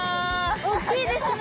おっきいですね